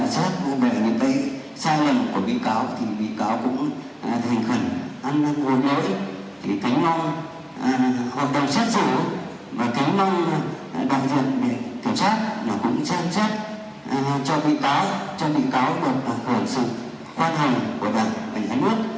sau lần của bị cáo bị cáo cũng hình khẩn ăn năn hối lỗi kính mong hội đồng xét xử và kính mong đại diện kiểm sát